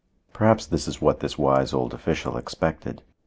Perhaps this is what this wise old official expected.